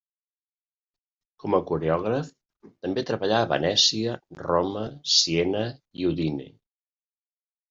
Com a coreògraf també treballà a Venècia, Roma, Siena i Udine.